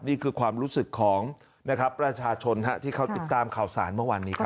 นี่คือความรู้สึกของนะครับประชาชนที่เขาติดตามข่าวสารเมื่อวานนี้ครับ